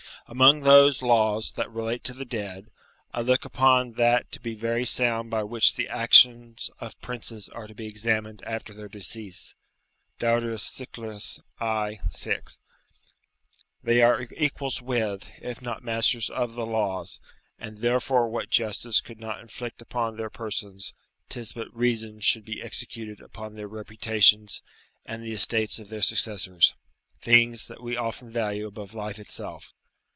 Amongst those laws that relate to the dead, I look upon that to be very sound by which the actions of princes are to be examined after their decease. [Diodorus Siculus, i. 6.] They are equals with, if not masters of the laws, and, therefore, what justice could not inflict upon their persons, 'tis but reason should be executed upon their reputations and the estates of their successors things that we often value above life itself.